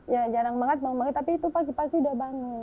ya jarang banget bangun banget tapi itu pagi pagi udah bangun